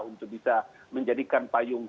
untuk bisa menjadikan payung